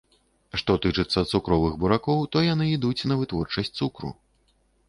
Што тычацца цукровых буракоў, то яны ідуць на вытворчасць цукру.